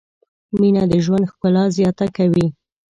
مینه د ژوند ښکلا زیاته کوي.